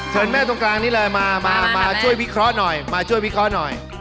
เชิญแม่ตรงกลางนี้เลยมามาช่วยวิเคราะห์หน่อย